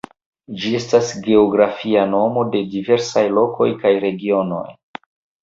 Ĝi estas geografia nomo de diversaj lokoj kaj regionoj.